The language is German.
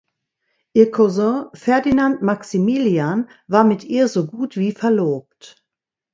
Ihr Cousin Ferdinand Maximilian war mit ihr so gut wie verlobt.